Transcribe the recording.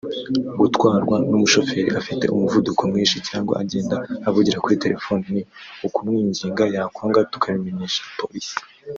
gutwarwa n’umushoferi afite umuvuduko mwinshi cyangwa agenda avugira kuri telefoni ni ukumwinginga yakwanga tukabimenyesha Police”